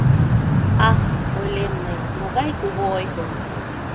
— Ах, — ойлем мый, — могай кугу ойго!